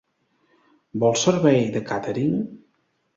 Vols servei de càtering?